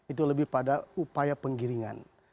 itu lebih pada upaya penggiringan